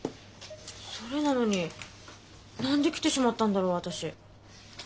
それなのに何で来てしまったんだろう私？